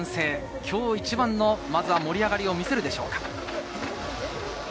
今日一番の盛り上がりを見せるでしょうか？